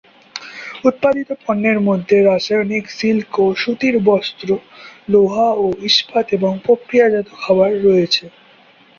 উৎপাদিত পণ্যের মধ্যে রাসায়নিক, সিল্ক ও সুতির বস্ত্র, লোহা ও ইস্পাত এবং প্রক্রিয়াজাত খাবার রয়েছে।